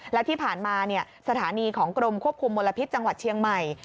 และที่ผ่านมาสถานีของกรมควบคุมมลพิษจังหวัดเชียงใหม่